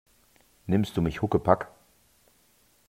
Nimmst du mich Huckepack?